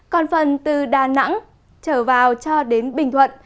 còn phần từ đà nẵng trở vào cho đến bình thuận